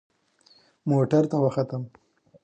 موټر ته وختم.